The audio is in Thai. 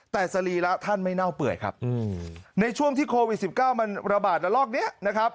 แต่สรีระท่านไม่เน่าเปื่อยครับในช่วงที่โควิด๑๙มันระบาดระลอกนี้นะครับ